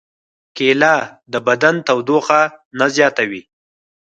کېله د بدن تودوخه نه زیاتوي.